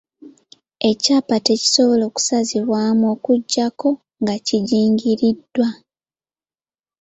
Ekyapa tekisobola kusazibwamu okuggyako nga kijingiriddwa.